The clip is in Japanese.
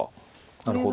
なるほど。